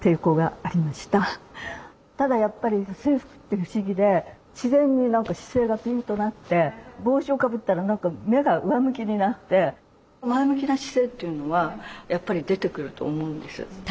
ただやっぱり制服って不思議で自然に姿勢がピンとなって帽子をかぶったら目が上向きになって前向きな姿勢っていうのはやっぱり出てくると思うんです。